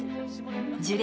樹齢